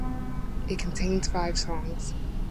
It contains five songs.